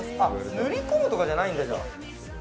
塗り込むとかじゃないんだ。